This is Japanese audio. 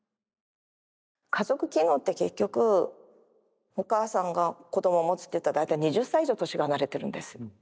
家族機能って結局お母さんが子供を持つっていったら大体２０歳以上年が離れてるんです。